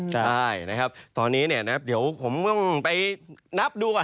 ใช่ตอนนี้เดี๋ยวผมต้องไปนับดูก่อน